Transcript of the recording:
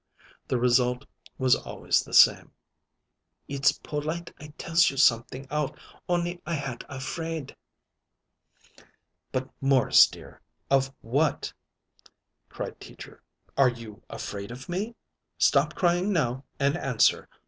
The result was always the same: "It's polite I tells you something out, on'y I had a fraid." "But, Morris, dear, of what?" cried Teacher. "Are you afraid of me? Stop crying now and answer.